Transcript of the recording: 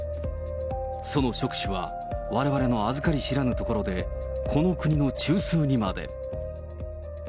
その触手はわれわれのあずかり知らぬところで、この国の中枢にまで。